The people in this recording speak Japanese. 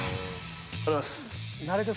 おはようございます。